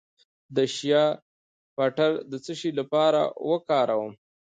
د شیا بټر د څه لپاره وکاروم؟